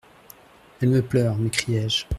Elle me pleure ! m'écriais-je.